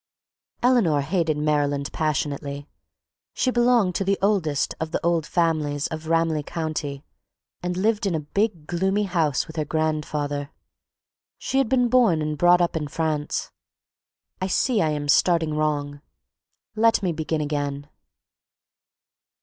Eleanor hated Maryland passionately. She belonged to the oldest of the old families of Ramilly County and lived in a big, gloomy house with her grandfather. She had been born and brought up in France.... I see I am starting wrong. Let me begin again.